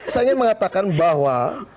saya ingin mengatakan bahwa